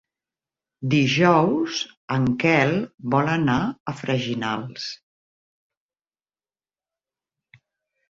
Dijous en Quel vol anar a Freginals.